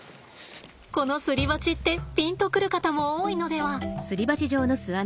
このすり鉢ってピンと来る方も多いのでは？